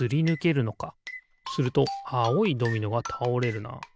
するとあおいドミノがたおれるな。